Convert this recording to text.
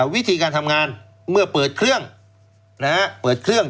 วิธีการทำงานเมื่อเปิดเครื่อง